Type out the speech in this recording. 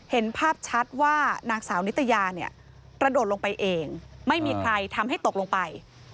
เห็นภาพชัดว่านางสาวนิตยาเนี่ยกระโดดลงไปเองไม่มีใครทำให้ตกลงไป